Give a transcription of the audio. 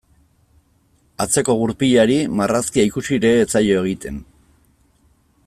Atzeko gurpilari marrazkia ikusi ere ez zaio egiten.